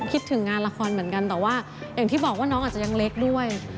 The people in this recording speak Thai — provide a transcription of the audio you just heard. คิดถึงงานละครเหมือนกันแต่ว่าอย่างที่บอกว่าน้องอาจจะยังเล็กด้วย